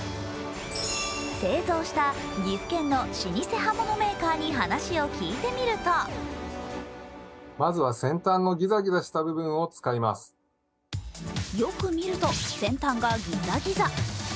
製造した岐阜県の老舗刃物メーカーに話を聞いてみるとよく見ると、先端がギザギザ。